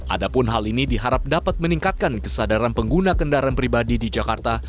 adapun hal ini diharap dapat meningkatkan kesadaran pengguna kendaraan pribadi di jakarta